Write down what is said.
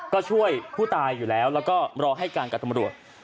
ก็ช่วยผู้ตายอยู่แล้วแล้วก็รอให้การกับตำรวจ